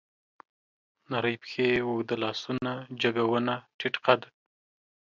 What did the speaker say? نرۍ پښې، اوږده لاسونه، جګه ونه، ټيټ قد